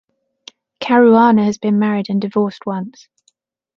Caruana has been married and divorced once.